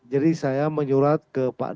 jadi saya menyurat ke pak